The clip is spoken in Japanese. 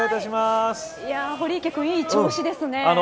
堀池君、いい調子ですね。